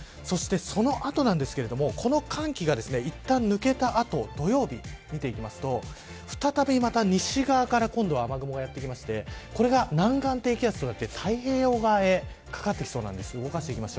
そしてその後なんですけれどもこの寒気がいったん抜けた後土曜日、見ていくと再びまた西側から雨雲がやってきてこれが南岸低気圧となって太平洋側へかかってきそうなんです。